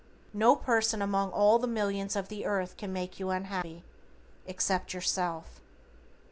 No person among all the millions of the earth can make you unhappy, except yourself.